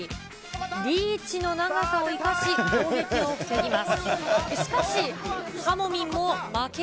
リーチの長さを生かし、攻撃を防ぎます。